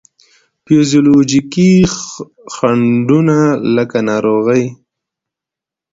فزیولوجیکي خنډو نه لکه ناروغي،